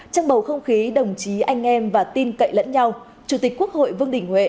trong bầu không khí đồng chí anh em và tin cậy lẫn nhau chủ tịch quốc hội vương đình huệ